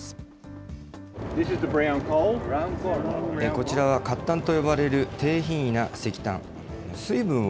こちらは褐炭と呼ばれる低品位な石炭。